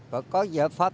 và các giải pháp